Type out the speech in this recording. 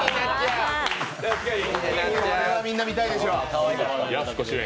これはみんな見たいでしょう。